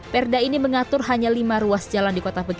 perda tujuh belas tahun dua ribu tujuh belas